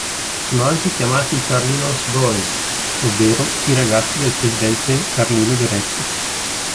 Sono anche chiamati i "Carlino's Boys" ovvero i ragazzi del presidente Carlino Beretta.